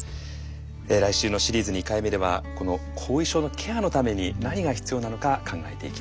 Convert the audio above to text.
来週のシリーズ２回目ではこの後遺症のケアのために何が必要なのか考えていきます。